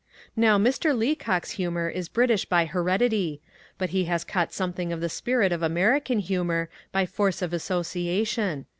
Now Mr. Leacock's humour is British by heredity; but he has caught something of the spirit of American humour by force of association.